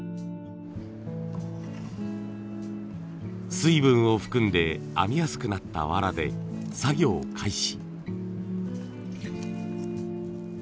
水分を含んで編みやすくなったわらで作業開始。